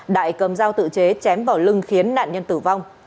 đại cầm dao tự chế chém vào lưng khiến nạn nhân tử vong